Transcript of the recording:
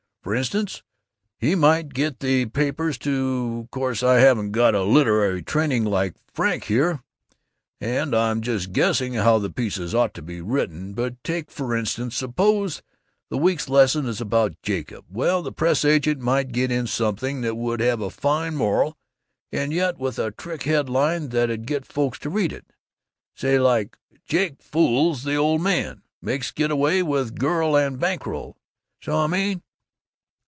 Frinstance, he might get the papers to Course I haven't got a literary training like Frink here, and I'm just guessing how the pieces ought to be written, but take frinstance, suppose the week's lesson is about Jacob; well, the press agent might get in something that would have a fine moral, and yet with a trick headline that'd get folks to read it say like: Jake Fools the Old Man; Makes Getaway with Girl and Bankroll. See how I mean?